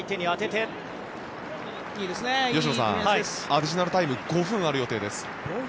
アディショナルタイム５分ある予定です。